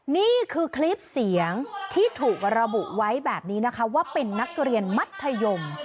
นี่คือคลิปเสียงที่ถูกระบุไว้แบบนี้นะคะว่าเป็นนักเรียนมัธยม